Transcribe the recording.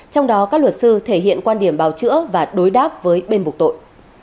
trong đó các luật sư thể hiện quan điểm bào chữa và đối đáp với bên bục tội